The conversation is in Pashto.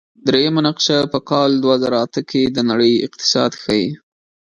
دریمه نقشه په کال دوه زره اته کې د نړۍ اقتصاد ښيي.